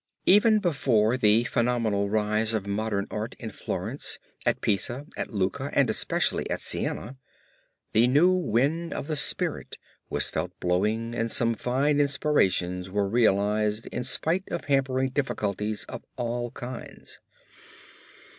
Even before the phenomenal rise of modern art in Florence, at Pisa, at Lucca and especially at Siena, the new wind of the spirit was felt blowing and some fine inspirations were realized in spite of hampering difficulties of all kinds.